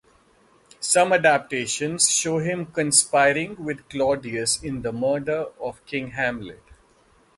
Some adaptations show him conspiring with Claudius in the murder of King Hamlet.